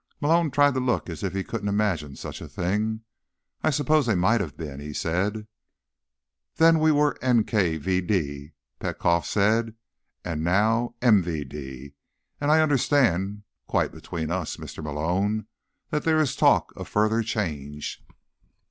Malone tried to look as if he couldn't imagine such a thing. "I suppose they might have been," he said. "Then we were NKVD," Petkoff said, "and now MVD. And I understand, quite between us, Mr. Malone, that there is talk of further change."